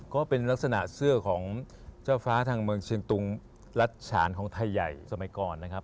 ก็เป็นลักษณะเสื้อของเจ้าฟ้าทางเมืองเชียนตุงรัชฉานของไทยใหญ่สมัยก่อนนะครับ